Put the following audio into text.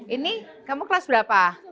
ini kamu kelas berapa